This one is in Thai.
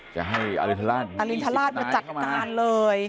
จะให้อรินทราชมาจัดการเลย